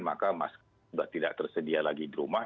maka masker sudah tidak tersedia lagi di rumah